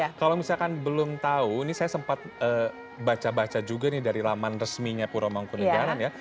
nah kalau misalkan belum tahu ini saya sempat baca baca juga nih dari laman resminya puro mangkunagaran ya